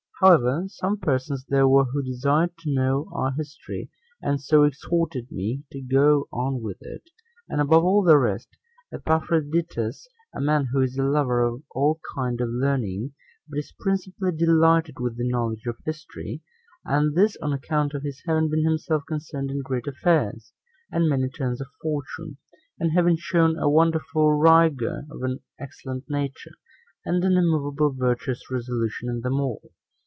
However, some persons there were who desired to know our history, and so exhorted me to go on with it; and, above all the rest, Epaphroditus, 4 a man who is a lover of all kind of learning, but is principally delighted with the knowledge of history, and this on account of his having been himself concerned in great affairs, and many turns of fortune, and having shown a wonderful rigor of an excellent nature, and an immovable virtuous resolution in them all.